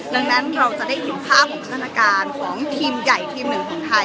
ดังนั้นเราจะได้เห็นภาพของสถานการณ์ของทีมใหญ่ทีมหนึ่งของไทย